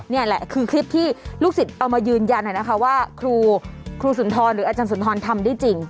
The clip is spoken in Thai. นี่แหละคือคลิปที่ลูกศิษย์เอามายืนยันว่าครูสุนทรหรืออาจารย์สุนทรทำได้จริง